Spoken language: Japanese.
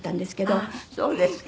ああそうですか。